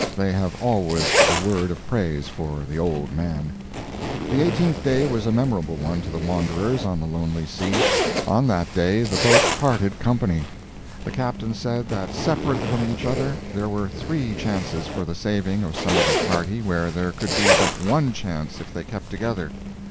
[They have always a word of praise for the "old man"] The eighteenth day was a memorable one to the wanderers on the lonely sea. On that day the boats parted company. The Captain said that separate from each other there were three chances for the saving of some of the party where there could be but one chance if they kept together.